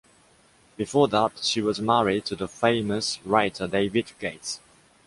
Before that, she was married to the famous writer David Gates.